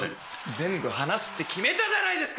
全部話すって決めたじゃないですか！